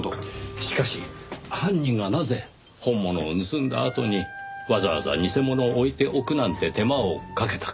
しかし犯人がなぜ本物を盗んだあとにわざわざ偽物を置いておくなんて手間をかけたか？